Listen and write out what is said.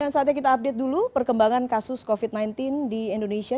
dan saatnya kita update dulu perkembangan kasus covid sembilan belas di indonesia